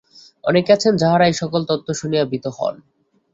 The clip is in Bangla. অনেকে আছেন, যাঁহারা এই-সকল তত্ত্ব শুনিয়া ভীত হন।